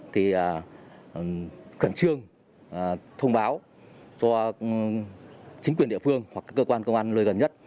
thì khẩn trương thông báo cho chính quyền địa phương hoặc các cơ quan công an lưu gần nhất